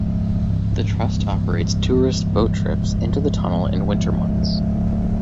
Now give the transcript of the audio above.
The trust operates tourist boat trips into the tunnel in winter months.